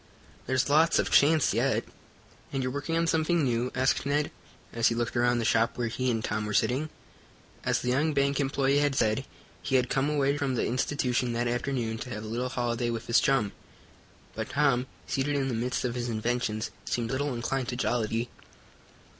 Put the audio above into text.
There's lots of chance yet." "And you're working on something new?" asked Ned, as he looked around the shop where he and Tom were sitting. As the young bank employee had said, he had come away from the institution that afternoon to have a little holiday with his chum, but Tom, seated in the midst of his inventions, seemed little inclined to jollity.